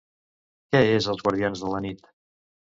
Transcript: Què és Els guardians de la nit?